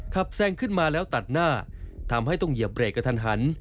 แซงขึ้นมาแล้วตัดหน้าทำให้ต้องเหยียบเบรกกระทันหัน